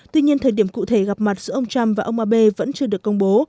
tuy nhiên thời điểm cụ thể gặp mặt giữa ông trump và ông abe vẫn chưa được công bố